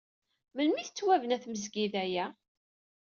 Melmi ay tettwabna tmesgida-a?